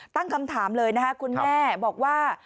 ตั้งคำถามเลยนะคะคุณแม่บอกว่า